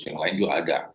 yang lain juga ada